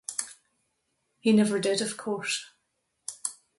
He never did, of course.